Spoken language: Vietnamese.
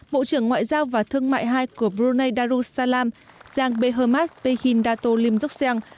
bộ trưởng ngoại giao và thương mại hai của brunei darussalam giang behormat behindato lim duc sang